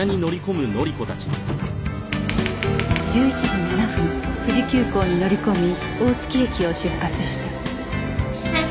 １１時７分富士急行に乗り込み大月駅を出発した